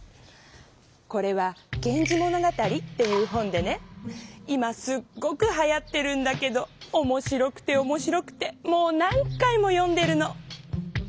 これは「源氏物語」っていう本でね今すっごくはやってるんだけどおもしろくておもしろくてもう何回も読んでるの。